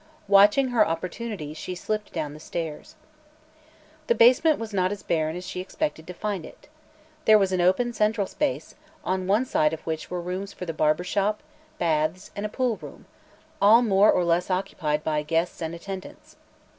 Watching her opportunity she slipped down the stairs. The basement was not as barren as she expected to find it. There was an open central space, on one side of which were rooms for the barber shop, baths, and a pool room, all more or less occupied by guests and attendants.